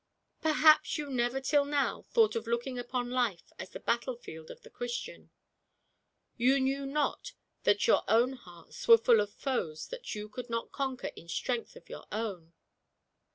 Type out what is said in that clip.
Perhaps you never till now thought of looking upon life as the battle field of the Christian; you knew not that your own hearts were full of foes that you could not conquer in strength of your own.